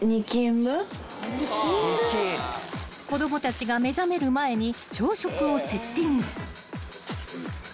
［子供たちが目覚める前に朝食をセッティング］